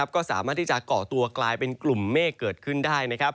ก็สามารถที่จะเกาะตัวกลายเป็นกลุ่มเมฆเกิดขึ้นได้